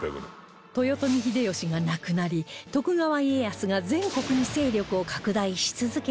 豊臣秀吉が亡くなり徳川家康が全国に勢力を拡大し続けていた頃